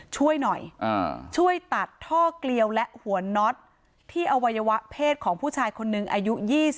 ช่วยหน่อยช่วยตัดท่อเกลียวและหัวน็อตที่อวัยวะเพศของผู้ชายคนนึงอายุ๒๐